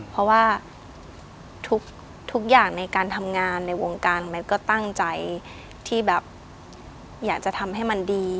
เพราะว่าทุกอย่างในการทำงานในวงการแมทก็ตั้งใจที่แบบอยากจะทำให้มันดี